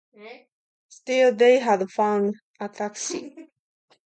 Still, they had found a taxi.